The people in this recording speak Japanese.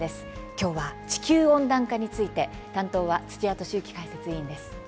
きょうは地球温暖化について担当は土屋敏之解説委員です。